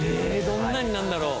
どんなになるんだろう？